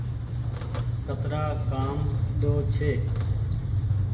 ڪترآ ڪآم ڪيۮو ڇي۔